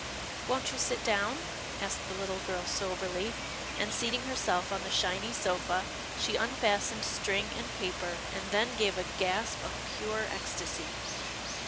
Won't you sit down?" asked the little girl soberly, and, seating herself on the shiny sofa, she unfastened string and paper, and then gave a gasp of pure ecstasy.